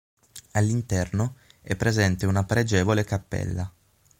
All'interno è presente una pregevole cappella.